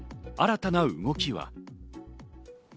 新たな動きは。